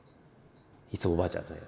いつもおばあちゃんね